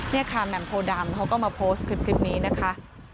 นี่ค่ะแหม่มโพดำเขาก็มาโพสต์คลิปนี้นะคะ